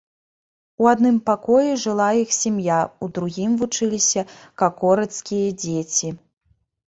У адным пакоі жыла іх сям'я, у другім вучыліся какорыцкія дзеці.